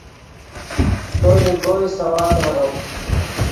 تو لے کوئی سوا دریغت